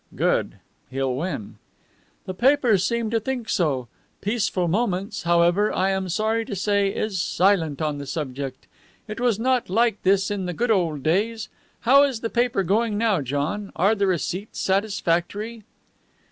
"Good. He'll win." "The papers seem to think so. Peaceful Moments, however, I am sorry to say, is silent on the subject. It was not like this in the good old days. How is the paper going now, John? Are the receipts satisfactory?"